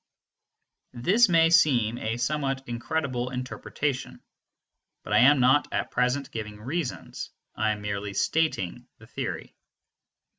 This may seem a somewhat incredible interpretation; but I am not at present giving reasons, I am merely stating the theory.